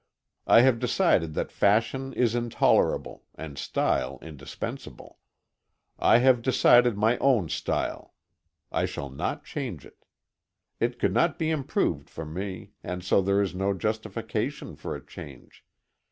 I have decided that fashion is intolerable, and style indispensable. I have decided my own style. I shall not change it. It could not be improved for me, and so there is no justification for a change.